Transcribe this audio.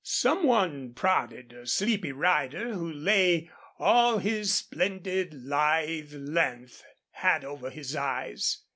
Some one prodded a sleepy rider who lay all his splendid lithe length, hat over his eyes.